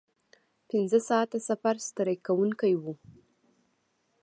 پنځه ساعته سفر ستړی کوونکی و.